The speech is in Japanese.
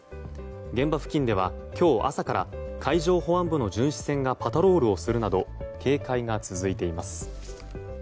現場付近では今日朝から海上保安部の巡視船がパトロールをするなど警戒が続いています。